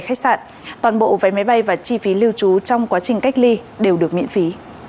khách sạn toàn bộ vé máy bay và chi phí lưu trú trong quá trình cách ly đều được miễn phí